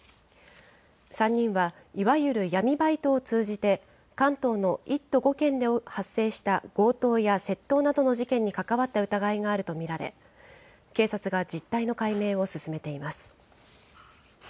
３人は、いわゆる闇バイトを通じて、関東の１都５県で発生した強盗や窃盗などの事件に関わった疑いがあると見られ、警察が実態の解明を進めています。